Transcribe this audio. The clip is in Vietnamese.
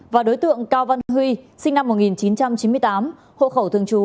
và đối tượng cao văn huy sinh năm một nghìn chín trăm chín mươi tám hộ khẩu thường trú